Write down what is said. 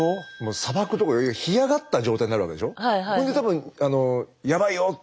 砂漠とか干上がった状態になるわけでしょ。